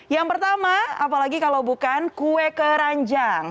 yang pertama apalagi kalau bukan kue keranjang